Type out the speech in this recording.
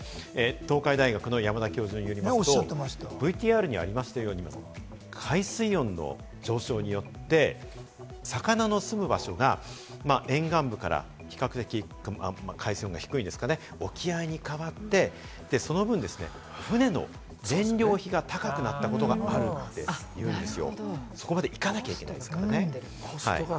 東海大学の山田教授によりますと、ＶＴＲにもありましたけれど、海水温の上昇によって魚の住む場所が沿岸部から比較的海水温が低い沖合いにかわって、その分、船の燃料費が高くなったことがあると言うんですよ。